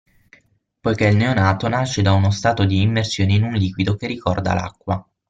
Poichè il neonato nasce da uno stato di immersione in un liquido che ricorda l'acqua.